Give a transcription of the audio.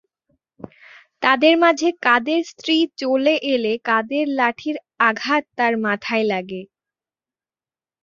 তাদের মাঝে কাদের স্ত্রী চলে এলে কাদের লাঠির আঘাত তার মাথায় লাগে।